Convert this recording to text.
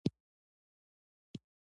لوگر د افغانستان د اجتماعي جوړښت برخه ده.